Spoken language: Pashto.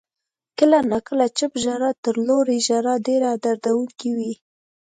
• کله ناکله چپ ژړا تر لوړې ژړا ډېره دردونکې وي.